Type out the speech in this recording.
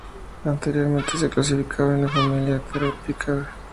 Anteriormente se clasificaba en la familia Thraupidae.